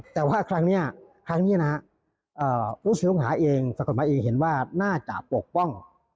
แต่ว่าครั้งนี้นะอุศิรภาคศักดิ์มายนเห็นว่าน่าจะปกป้อง